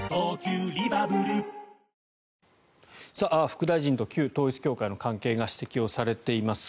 副大臣と旧統一教会の関係が指摘をされています。